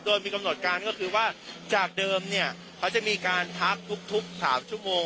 โดยมีกำหนดการก็คือว่าจากเดิมเนี่ยเขาจะมีการพักทุก๓ชั่วโมง